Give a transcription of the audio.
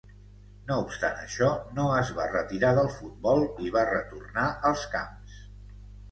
No obstant això no es va retirar del futbol i va retornar als camps.